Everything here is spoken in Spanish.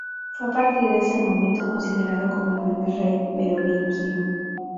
Fue a partir de ese momento considerado como el primer rey merovingio.